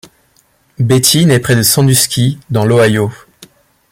Beatty naît près de Sandusky, dans l'Ohio.